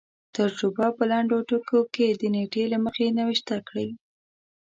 تجربه په لنډو ټکو کې د نېټې له مخې نوشته کړي.